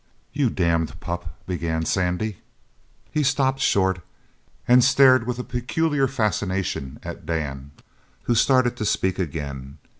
"You damned pup " began Sandy. He stopped short and stared with a peculiar fascination at Dan, who started to speak again.